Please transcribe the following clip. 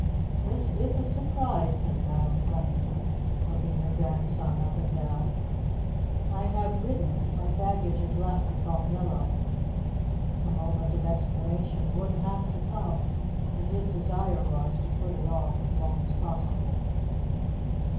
"This is a surprise," said Madam Flemington, looking her grandson up and down. "I have ridden. My baggage is left at Balnillo." The moment of explanation would have to come, but his desire was to put it off as long as possible.